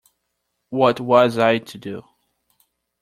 What was I to do?